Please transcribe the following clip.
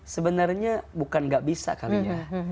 sebenarnya bukan gak bisa kali ya